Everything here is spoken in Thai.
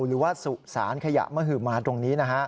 หรือว่าสุสานขยะมะหืบมาตรตรงนี้